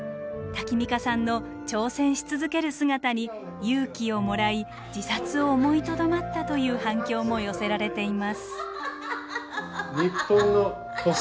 タキミカさんの挑戦し続ける姿に勇気をもらい自殺を思いとどまったという反響も寄せられています。